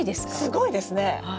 すごいですね！